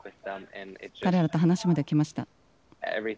彼らと話もできました。